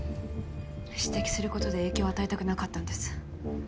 指摘することで影響を与えたくなかったんです。